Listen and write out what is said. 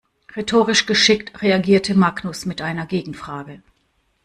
Rhetorisch geschickt reagierte Magnus mit einer Gegenfrage.